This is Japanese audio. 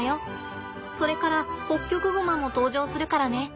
それからホッキョクグマも登場するからね。